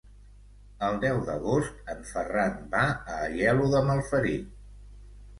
El deu d'agost en Ferran va a Aielo de Malferit.